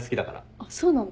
あっそうなんだ。